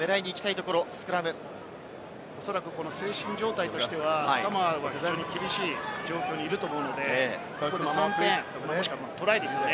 おそらく精神状態としてはサモアは非常に厳しい状況にいると思うので、３点、もしくはトライですね。